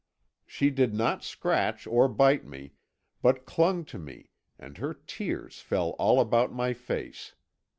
"She did not scratch or bite me, but clung to me, and her tears fell all about my face.